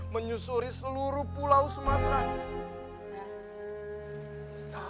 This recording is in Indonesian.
menyusuri seluruh pulau sumatera